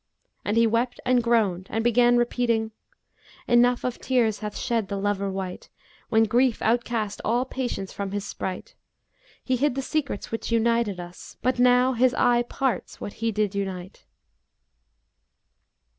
And he wept and groaned and began repeating, 'Enough of tears hath shed the lover wight, * When grief outcast all patience from his sprite: He hid the secrets which united us, * But now His eye parts what He did unite!'"